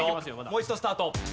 もう一度スタート。